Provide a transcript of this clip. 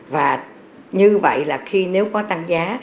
và như vậy là khi nếu có tăng giá